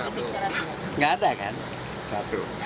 tidak ada kan satu